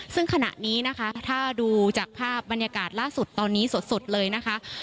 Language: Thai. ซึ่งขณะนี้นะคะถ้าดูจากภาพบรรยากาศล่าสุดตอนนี้สดเลยนะคะ